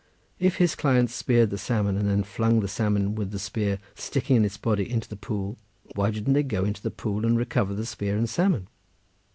If his client speared the salmon, and then flung the salmon with the spear sticking in its body into the pool, why didn't they go into the pool and recover the spear and salmon?